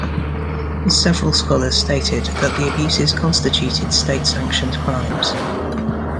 Several scholars stated that the abuses constituted state-sanctioned crimes.